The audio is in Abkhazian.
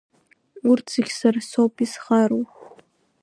Урҭ зегь сара соуп изхароу.